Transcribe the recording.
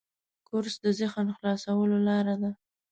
کورس د ذهن خلاصولو لاره ده.